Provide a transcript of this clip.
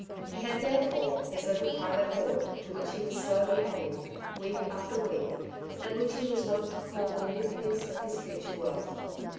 He had therefore his little private hoard, to which he was slowly adding, week after week, and which he was wont to call the nucleus of his future wealth.